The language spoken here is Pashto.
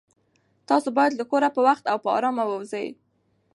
تاسو باید له کوره په وخت او په ارامه ووځئ.